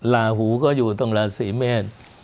ลาหูก็อยู่ตรงราศีเมษ